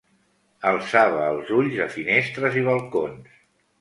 Alçava els ulls a finestres i balcons